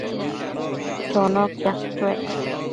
Chono quiash chuec